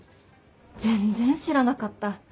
全然知らなかった。